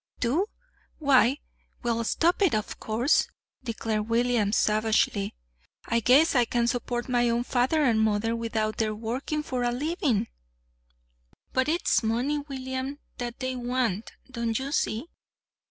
"Do? Why, we'll stop it, of course," declared William savagely. "I guess I can support my own father and mother without their working for a living!" "But it's money, William, that they want. Don't you see?"